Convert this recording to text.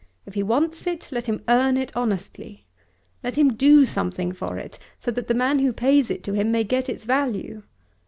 If he wants it, let him earn it honestly. Let him do something for it, so that the man who pays it to him may get its value.